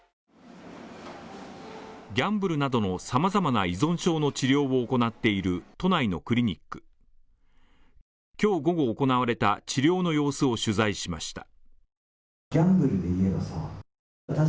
ギャンブルなどの様々な依存症の治療を行っている都内のクリニック今日午後行われた治療の様子を取材しました。